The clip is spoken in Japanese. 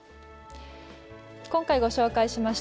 今回ご紹介しました